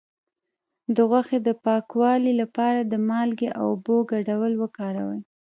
د غوښې د پاکوالي لپاره د مالګې او اوبو ګډول وکاروئ